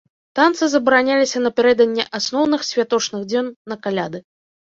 Танцы забараняліся напярэдадні асноўных святочных дзён на каляды.